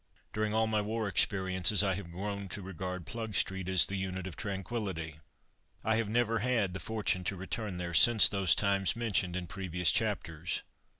During all my war experiences I have grown to regard Plugstreet as the unit of tranquillity. I have never had the fortune to return there since those times mentioned in previous chapters.